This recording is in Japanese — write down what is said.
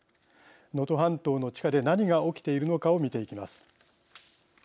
能登半島の地下で何が起きているのかを見ていきます。